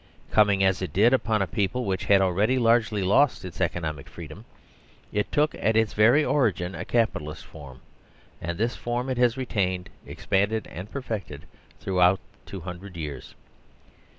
Coming as it did upon a people which had already largely lost its economic freedom, it took at its very origin a Capitalist form, and this formithasretained, expanded, and perfected through out two hundred years.